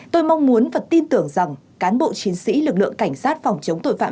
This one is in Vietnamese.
tôi mong muốn và tin tưởng rằng cán bộ chiến sĩ lực lượng cảnh sát phòng chống tội phạm